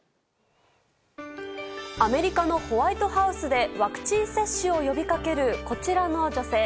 アメリカのホワイトハウスでワクチン接種を呼びかけるこちらの女性。